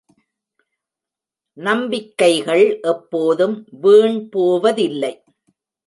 நம்பிக்கைகள் எப்போதும் வீண் போவதில்லை.